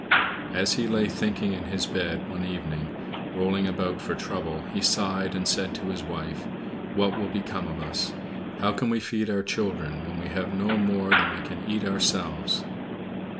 As he lay thinking in his bed one evening, rolling about for trouble, he sighed, and said to his wife, "What will become of us? How can we feed our children, when we have no more than we can eat ourselves?"